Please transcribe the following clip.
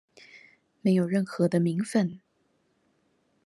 沒有任何的名份